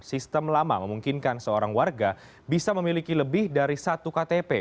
sistem lama memungkinkan seorang warga bisa memiliki lebih dari satu ktp